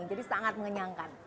jadi sangat mengenyangkan